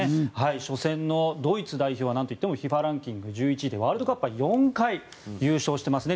初戦のドイツ代表はなんといってもＦＩＦＡランキング１１位でワールドカップは４回優勝していますね。